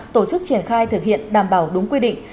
tổ chức triển khai thực hiện đảm bảo đúng quy định